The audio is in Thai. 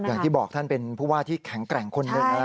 อย่างที่บอกท่านเป็นผู้ว่าที่แข็งแกร่งคนหนึ่ง